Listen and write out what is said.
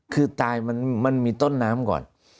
คือตายมันมีต้นน้ำก่อน